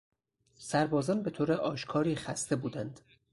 سربازان به طور آشکاری خسته بودند.